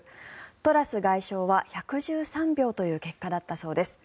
トラス外相は１１３票という結果だったそうです。